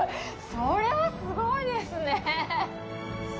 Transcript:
それはすごいですね！